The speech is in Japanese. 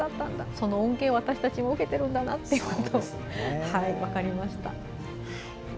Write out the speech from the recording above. その恩恵を私たちも受けているんだなということが分かりました。